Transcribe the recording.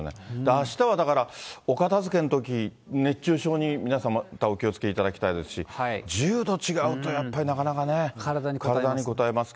あしたはだから、お片づけのとき、熱中症に皆様またお気をつけいただきたいですし、１０度違うとや体にこたえます。